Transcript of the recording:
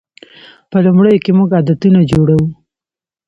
په لومړیو کې موږ عادتونه جوړوو.